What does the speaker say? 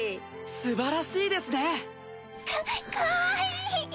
素晴らしいですね！かかわいい！